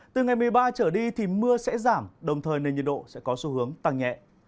từ ngày một mươi ba trở đi thì mưa sẽ giảm đồng thời nền nhiệt độ sẽ có xu hướng tăng nhẹ